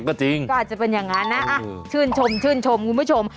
ก็จริงก็อาจจะเป็นอย่างนั้นนะชื่นชมชื่นชมคุณผู้ชม